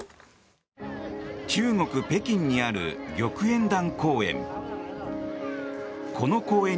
中国・北京にある玉淵潭公園。